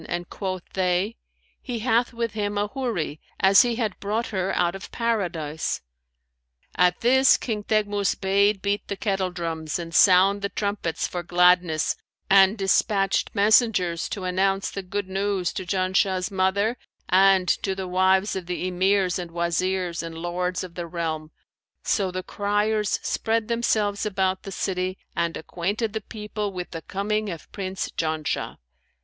and quoth they, 'He hath with him a Houri, as he had brought her out of Paradise.' At this, King Teghmus bade beat the kettledrums and sound the trumpets for gladness, and despatched messengers to announce the good news to Janshah's mother and to the wives of the Emirs and Wazirs and Lords of the realm: so the criers spread themselves about the city and acquainted the people with the coming of Prince Janshah.